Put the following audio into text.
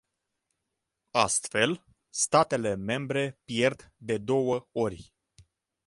Astfel, statele membre pierd de două ori.